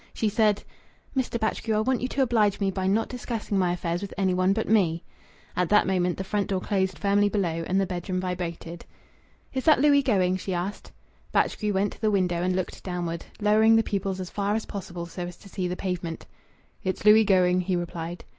She said "Mr. Batchgrew, I want you to oblige me by not discussing my affairs with any one but me." At that moment the front door closed firmly below, and the bedroom vibrated. "Is that Louis going?" she asked. Batchgrew went to the window and looked downward, lowering the pupils as far as possible so as to see the pavement. "It's Louis going," he replied.